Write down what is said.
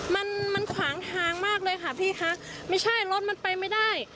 มันมันขวางทางมากเลยค่ะพี่คะไม่ใช่รถมันไปไม่ได้